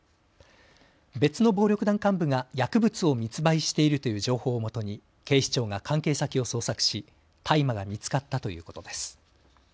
別の暴力団幹部が薬物を密売しているという情報をもとに警視庁が関係先を捜索し大麻が見つかったということです。